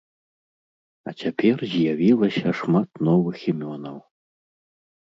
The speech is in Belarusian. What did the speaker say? А цяпер з'явілася шмат новых імёнаў.